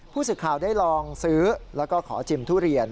ผู้สื่อข่าวได้ลองซื้อแล้วก็ขอชิมทุเรียน